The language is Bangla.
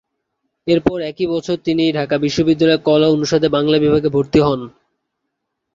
এরপর একই বছর তিনি ঢাকা বিশ্ববিদ্যালয়ের কলা অনুষদে বাংলা বিভাগে ভর্তি হন।